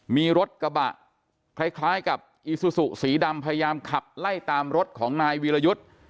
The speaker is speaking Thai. มีรถกระบะคล้ายกับอีซูซูสีดำพยายามขับไล่ตามรถของนายวีรยุทธ์